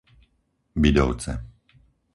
Bidovce